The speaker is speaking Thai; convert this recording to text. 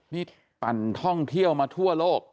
นี่ปั่นท่องเที่ยวมาทั่วโลก